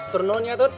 ternun ya tut